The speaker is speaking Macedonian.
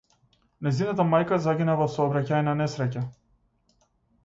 Нејзината мајка загина во сообраќајна несреќа.